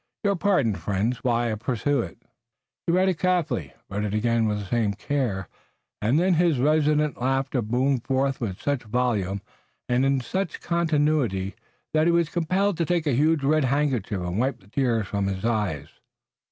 "Your pardon, friends, while I peruse it." He read it carefully, read it again with the same care, and then his resonant laughter boomed forth with such volume and in such continuity that he was compelled to take a huge red handkerchief and wipe the tears from his eyes.